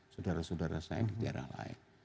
saudara saudara saya di daerah lain